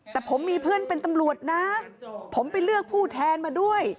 แต่ผมมีเพื่อนเป็นตำรวจนะผมไปเลือกผู้แทนมาด้วย